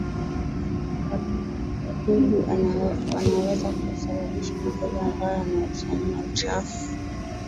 Wdudu wanaweza kusabababisha magonjwa ambayo yana uhusiano na uchafu